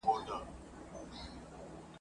لاس په دعا سی وطندارانو !.